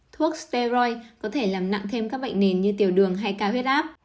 thuốc spir có thể làm nặng thêm các bệnh nền như tiểu đường hay cao huyết áp